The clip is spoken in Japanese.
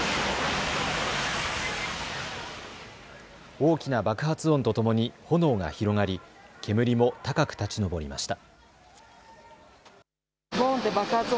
大きな爆発音とともに炎が広がり煙も高く立ち上りました。